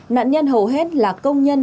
nạn nhân hầu hết là công nhân